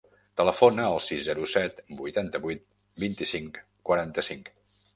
Telefona al sis, zero, set, vuitanta-vuit, vint-i-cinc, quaranta-cinc.